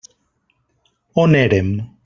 On érem?